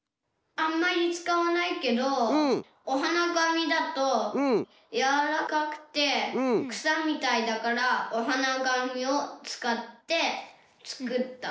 あんまりつかわないけどおはながみだとやわらかくてくさみたいだからおはながみをつかってつくった。